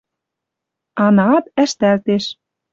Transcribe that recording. Анаат ӓштӓлтеш.